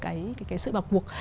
cái sự vào cuộc